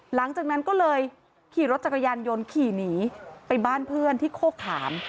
หลังจากนั้นก็เลยขี่รถจักรยานยนต์ขี่หนีไปบ้านเพื่อนที่โคขาม